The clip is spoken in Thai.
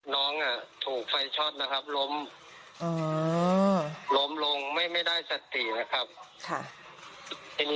น้องถูกไฟช็อตนะครับล้มล้มลงไม่ได้สตินะครับ